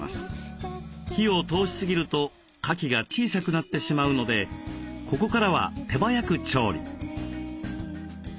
火を通しすぎるとかきが小さくなってしまうのでここからは手早く調理。